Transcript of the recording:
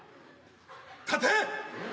立て！